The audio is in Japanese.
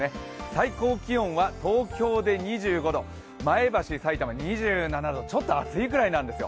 最高気温は東京で２５度前橋、埼玉、２７度ちょっと暑いぐらいなんですよ。